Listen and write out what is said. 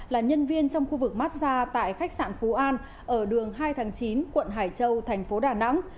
là nhân viên trong khu vực massage tại khách sạn phú an ở đường hai tháng chín quận hải châu thành phố đà nẵng